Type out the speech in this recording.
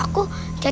aku mau masuk